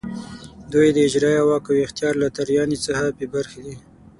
دوی د اجرایې واک او اختیار له تازیاني څخه بې برخې دي.